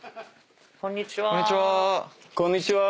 こんにちは。